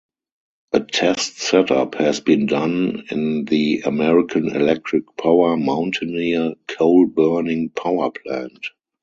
A test-setup has been done in the American Electric Power Mountaineer coal-burning power plant.